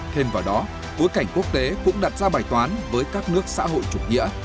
thêm vào đó bối cảnh quốc tế cũng đặt ra bài toán với các nước xã hội chủ nghĩa